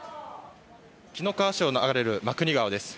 紀の川市を流れる真国川です。